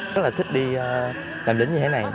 rất là thích đi làm lính như thế này